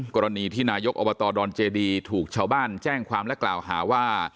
กรณีที่นายกอบตดอนเจดีถูกชาวบ้านแจ้งความและกล่าวหาว่า